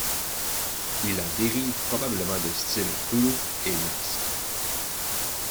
Il a dérive probablement des styles Thuluth et Naskh.